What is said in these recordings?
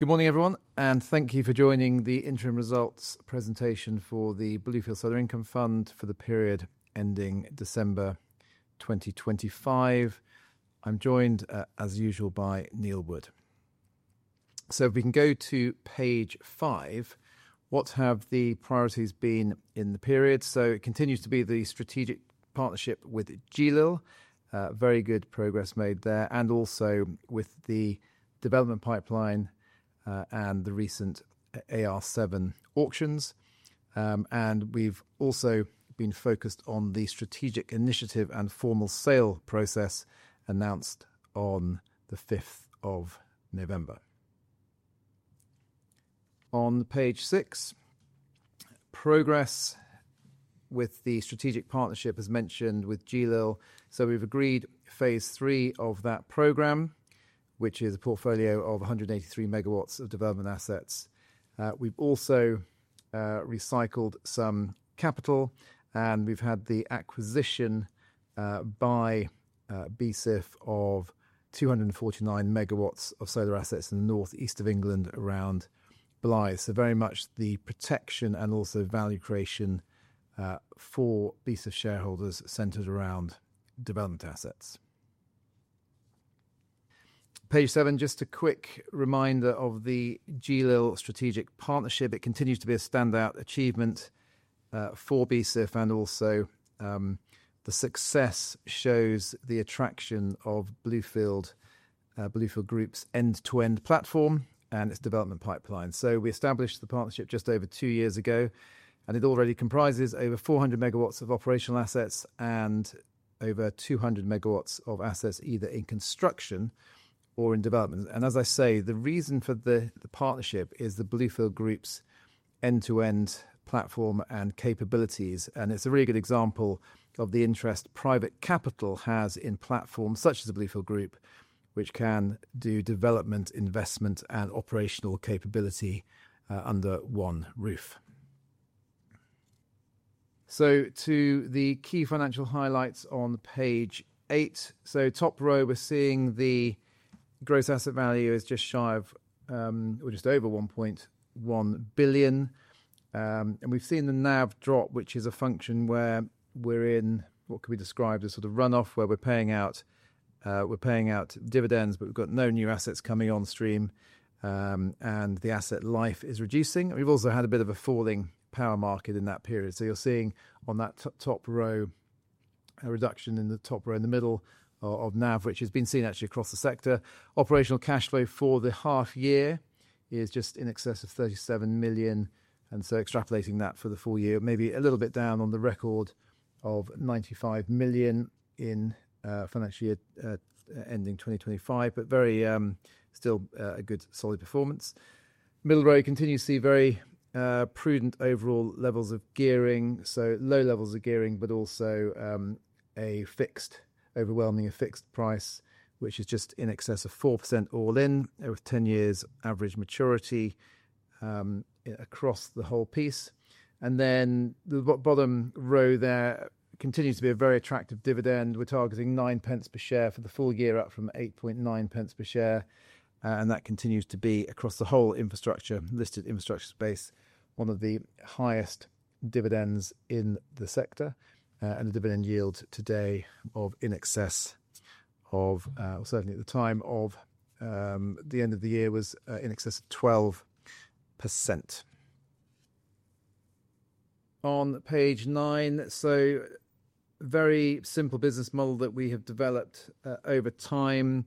Good morning everyone, thank you for joining the interim results presentation for the Bluefield Solar Income Fund for the period ending December 2025. I'm joined, as usual by Neil Wood. If we can go to page, what have the priorities been in the period? It continues to be the strategic partnership with GLIL, very good progress made there, and also with the development pipeline, and the recent AR7 auctions. We've also been focused on the strategic initiative and formal sale process announced on the 5th of November. On page six, progress with the strategic partnership, as mentioned with GLIL. We've agreed phase three of that program, which is a portfolio of 183 MW of development assets. We've also recycled some capital, and we've had the acquisition by BSIF of 249 MW of solar assets in the North East of England around Blyth. Very much the protection and also value creation for BSIF shareholders centered around development assets. Page seven, just a quick reminder of the GLIL strategic partnership. It continues to be a standout achievement for BSIF and also the success shows the attraction of Bluefield Group's end-to-end platform and its development pipeline. We established the partnership just over two years ago, and it already comprises over 400 MW of operational assets and over 200 MW of assets either in construction or in development. As I say, the reason for the partnership is the Bluefield Group's end-to-end platform and capabilities. It's a really good example of the interest private capital has in platforms such as the Bluefield Group, which can do development, investment, and operational capability under one roof. To the key financial highlights on page 8. Top row, we're seeing the gross asset value is just shy of, or just over 1.1 billion. We've seen the NAV drop, which is a function where we're in what could be described as sort of runoff, where we're paying out dividends, but we've got no new assets coming on stream, and the asset life is reducing. We've also had a bit of a falling power market in that period. You're seeing on that top row, a reduction in the top row in the middle of NAV, which has been seen actually across the sector. Operational cash flow for the half year is just in excess of 37 million, and so extrapolating that for the full year, maybe a little bit down on the record of 95 million in financial year ending 2025, but very still a good solid performance. Middle row, you continue to see very prudent overall levels of gearing. Low levels of gearing, but also a fixed, overwhelmingly a fixed price, which is just in excess of 4% all in, with 10 years average maturity across the whole piece. The bottom row there continues to be a very attractive dividend. We're targeting 9 pence per share for the full year, up from 8.9 pence per share. That continues to be across the whole infrastructure, listed infrastructure space, one of the highest dividends in the sector, and a dividend yield today of in excess of, certainly at the time of, the end of the year was, in excess of 12%. On page nine, very simple business model that we have developed over time.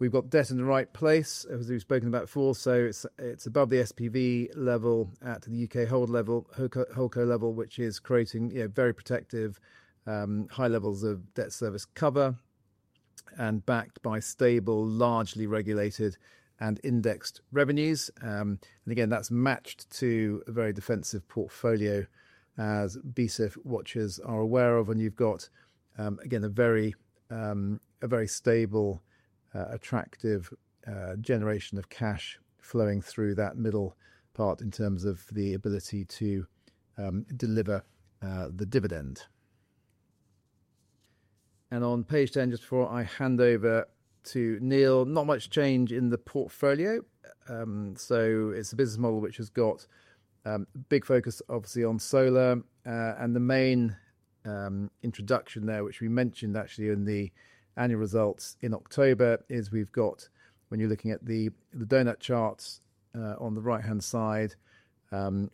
We've got debt in the right place, as we've spoken about before, so it's above the SPV level at the U.K. hold level, HoldCo level, which is creating, you know, very protective, high levels of debt service cover and backed by stable, largely regulated and indexed revenues. Again, that's matched to a very defensive portfolio, as BSIF watchers are aware of. You've got, again, a very, a very stable, attractive, generation of cash flowing through that middle part in terms of the ability to deliver the dividend. On page 10, just before I hand over to Neil, not much change in the portfolio. It's a business model which has got big focus obviously on solar. The main introduction there, which we mentioned actually in the annual results in October, is we've got, when you're looking at the donut charts on the right-hand side,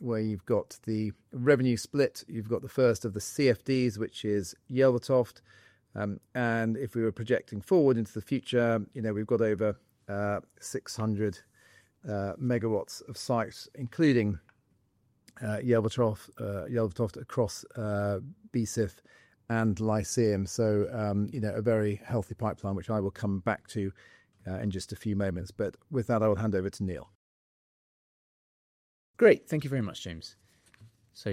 where you've got the revenue split, you've got the first of the CFDs, which is Yelvertoft. If we were projecting forward into the future, you know, we've got over 600 MW of sites, including Yelvertoft across BSIF and Lyceum. you know, a very healthy pipeline, which I will come back to, in just a few moments. With that, I will hand over to Neil. Great. Thank you very much, James.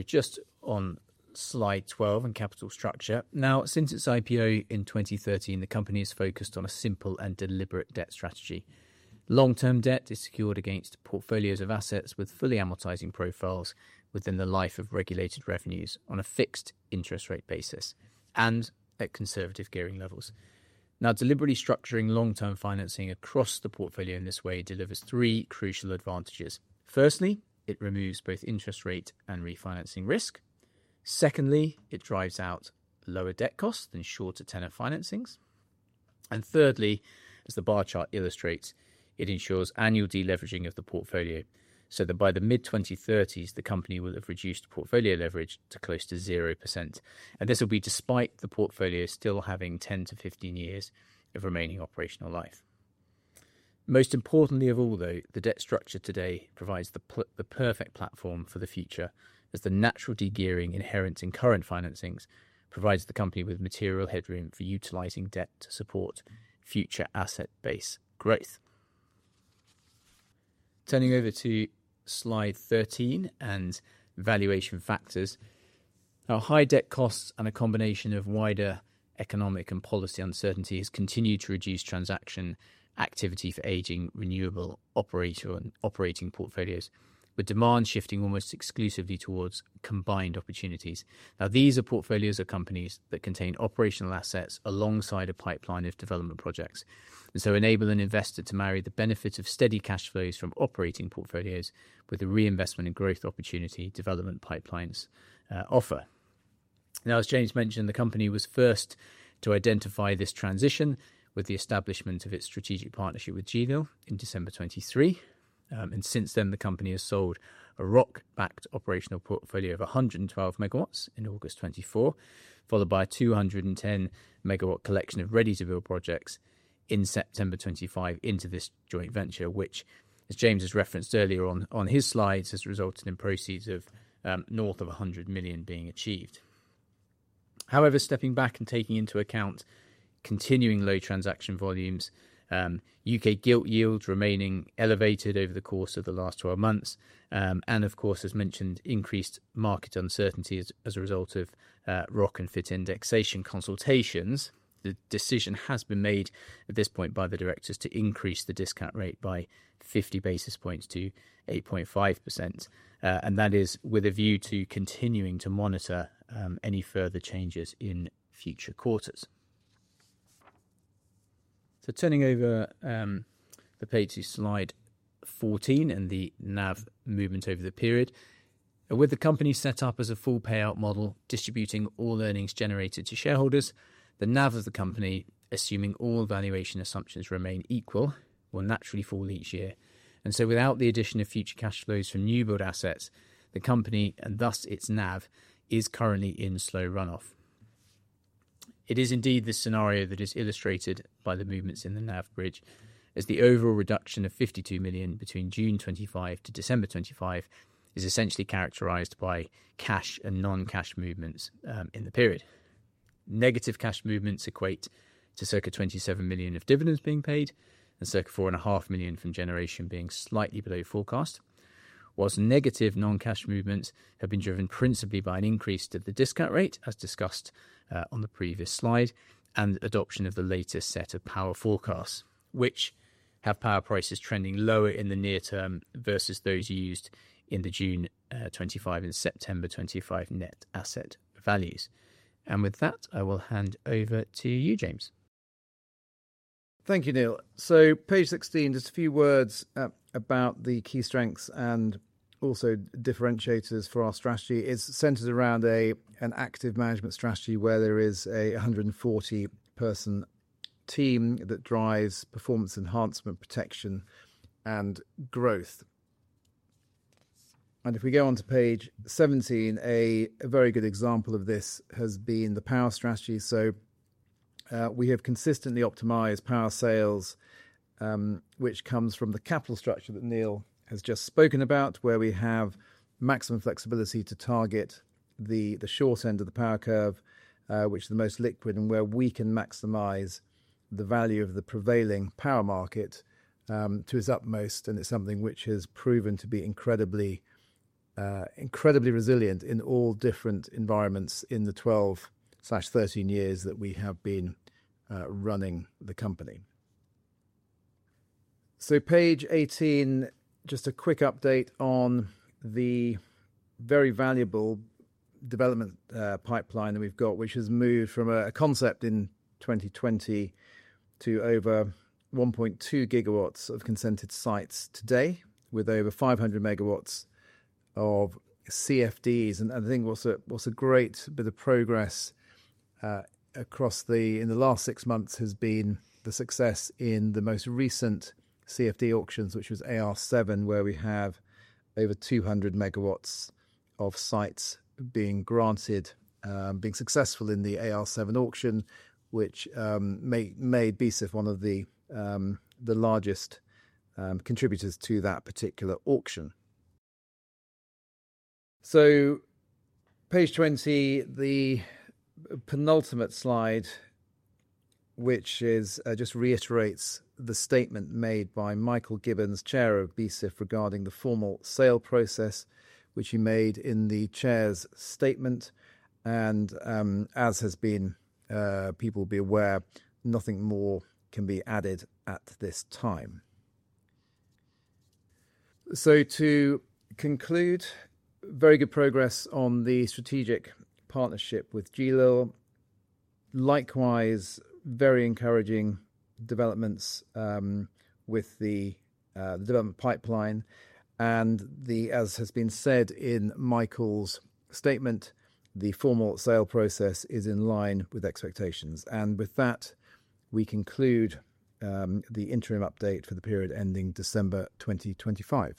Just on slide 12 in capital structure. Since its IPO in 2013, the company has focused on a simple and deliberate debt strategy. Long-term debt is secured against portfolios of assets with fully amortizing profiles within the life of regulated revenues on a fixed interest rate basis and at conservative gearing levels. Deliberately structuring long-term financing across the portfolio in this way delivers three crucial advantages. Firstly, it removes both interest rate and refinancing risk. Secondly, it drives out lower debt costs than shorter tenor financings. Thirdly, as the bar chart illustrates, it ensures annual deleveraging of the portfolio so that by the mid-2030s, the company will have reduced portfolio leverage to close to 0%. This will be despite the portfolio still having 10-15 years of remaining operational life. Most importantly of all, though, the debt structure today provides the perfect platform for the future as the natural de-gearing inherent in current financings provides the company with material headroom for utilizing debt to support future asset base growth. Turning over to slide 13 and valuation factors. Our high debt costs and a combination of wider economic and policy uncertainty has continued to reduce transaction activity for aging renewable operator and operating portfolios, with demand shifting almost exclusively towards combined opportunities. These are portfolios of companies that contain operational assets alongside a pipeline of development projects, and so enable an investor to marry the benefit of steady cash flows from operating portfolios with the reinvestment in growth opportunity development pipelines offer. As James mentioned, the company was first to identify this transition with the establishment of its strategic partnership with GLIL in December 23. Since then, the company has sold a ROC-backed operational portfolio of 112 MW in August 2024, followed by a 210 megawatt collection of ready-to-build projects in September 2025 into this joint venture, which, as James has referenced earlier on his slides, has resulted in proceeds of north of 100 million being achieved. However, stepping back and taking into account continuing low transaction volumes, U.K. gilt yields remaining elevated over the course of the last 12 months, and of course, as mentioned, increased market uncertainty as a result of ROC and FiT indexation consultations. The decision has been made at this point by the directors to increase the discount rate by 50 basis points to 8.5%. That is with a view to continuing to monitor any further changes in future quarters. Turning over the page to slide 14 and the NAV movement over the period. With the company set up as a full payout model distributing all earnings generated to shareholders, the NAV of the company, assuming all valuation assumptions remain equal, will naturally fall each year. Without the addition of future cash flows from new build assets, the company, and thus its NAV, is currently in slow runoff. It is indeed this scenario that is illustrated by the movements in the NAV bridge as the overall reduction of 52 million between June 2025 to December 2025 is essentially characterized by cash and non-cash movements in the period. Negative cash movements equate to circa 27 million of dividends being paid and circa four and a half million from generation being slightly below forecast, whilst negative non-cash movements have been driven principally by an increase to the discount rate, as discussed on the previous slide, and adoption of the latest set of power forecasts, which have power prices trending lower in the near term versus those used in the June 2025 and September 2025 net asset values. With that, I will hand over to you, James. Thank you, Neil. Page 16, just a few words about the key strengths and also differentiators for our strategy. It's centered around an active management strategy where there is a 140-person team that drives performance enhancement, protection and growth. If we go on to page 17, a very good example of this has been the power strategy. We have consistently optimized power sales, which comes from the capital structure that Neil has just spoken about, where we have maximum flexibility to target the short end of the power curve, which is the most liquid and where we can maximize the value of the prevailing power market to its utmost. It's something which has proven to be incredibly incredibly resilient in all different environments in the 12/13 years that we have been running the company. Page 18, just a quick update on the very valuable development pipeline that we've got, which has moved from a concept in 2020 to over 1.2 GW of consented sites today with over 500 MW of CFDs. I think what's a what's a great bit of progress in the last six months has been the success in the most recent CFD auctions, which was AR7, where we have over 200 MW of sites being granted, being successful in the AR7 auction, which made BSIF one of the largest contributors to that particular auction. Page 20, the penultimate slide, which just reiterates the statement made by Michael Gibbons, Chair of BSIF, regarding the formal sale process which he made in the Chair's statement and, as has been, people will be aware, nothing more can be added at this time. To conclude, very good progress on the strategic partnership with GLIL Infrastructure. Likewise, very encouraging developments with the development pipeline and the... as has been said in Michael's statement, the formal sale process is in line with expectations. With that, we conclude the interim update for the period ending December 2025.